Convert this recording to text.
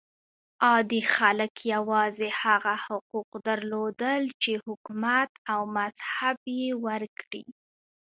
عادي خلک یوازې هغه حقوق درلودل چې حکومت او مذهب یې ورکړي.